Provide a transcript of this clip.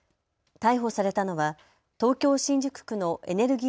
逮捕されたのは東京新宿区のエネルギー